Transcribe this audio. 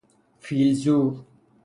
فیل زور